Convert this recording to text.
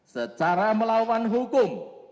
secara melawan hukum